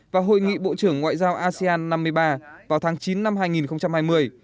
và hội nghị bộ trưởng ngoại giao asean năm mươi ba vào tháng chín năm hai nghìn hai mươi